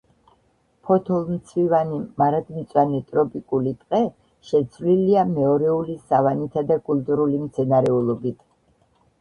ფოთოლმცვივანი მარადმწვანე ტროპიკული ტყე შეცვლილია მეორეული სავანითა და კულტურული მცენარეულობით.